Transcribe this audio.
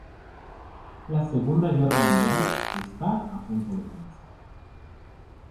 La Segunda Guerra Mundial está a punto de comenzar.